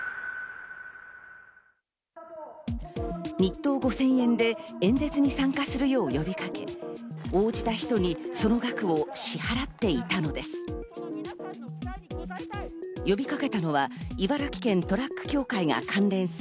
日当５０００円で演説に参加するよう呼びかけ、応じた人に、その額を支払っていたのです。